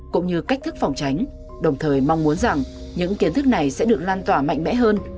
cũng như cách thức phòng tránh đồng thời mong muốn rằng những kiến thức này sẽ được lan tỏa mạnh mẽ hơn